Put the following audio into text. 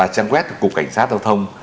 trang web của cục cảnh sát thông thông